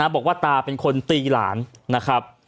บอกว่าตาเป็นคนตีหลานนะครับ